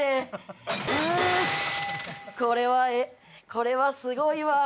これはすごいわ。